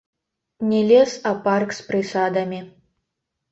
Не лес, а парк з прысадамі.